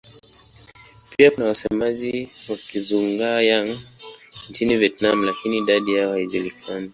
Pia kuna wasemaji wa Kizhuang-Yang nchini Vietnam lakini idadi yao haijulikani.